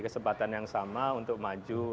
kesempatan yang sama untuk maju